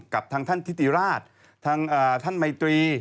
กับท่านทิศราชท่านมัยตรี